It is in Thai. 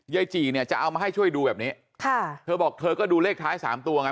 จีเนี่ยจะเอามาให้ช่วยดูแบบนี้ค่ะเธอบอกเธอก็ดูเลขท้ายสามตัวไง